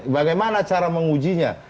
bagaimana cara mengujinya